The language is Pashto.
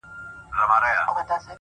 مه کوه گمان د ليوني گلي ،